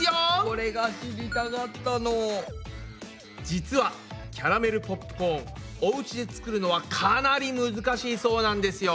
実はキャラメルポップコーンおうちで作るのはかなり難しいそうなんですよ。